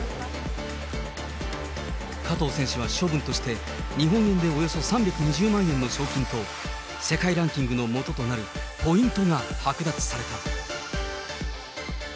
加藤選手は処分として、日本円でおよそ３２０万円の賞金と、世界ランキングの基となるポイントが剥奪された。